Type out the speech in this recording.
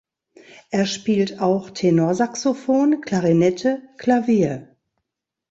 Er spielt auch Tenorsaxophon, Klarinette, Klavier.